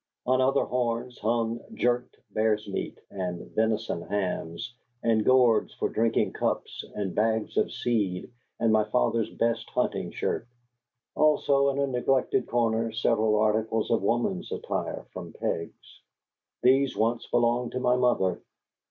On other horns hung jerked bear's meat and venison hams, and gourds for drinking cups, and bags of seed, and my father's best hunting shirt; also, in a neglected corner, several articles of woman's attire from pegs. These once belonged to my mother.